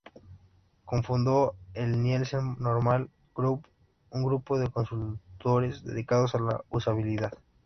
Cofundó el Nielsen Norman Group, un grupo de consultores dedicados a la usabilidad.